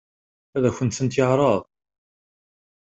Ad akent-tent-yeɛṛeḍ?